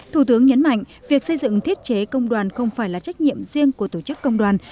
thủ tướng nhấn mạnh việc xây dựng thiết chế công đoàn không phải là trách nhiệm riêng của tổ chức công đoàn